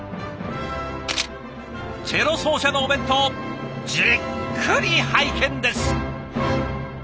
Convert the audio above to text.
チェロ奏者のお弁当じっくり拝見です。